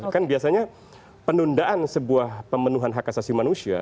kan biasanya penundaan sebuah pemenuhan hak asasi manusia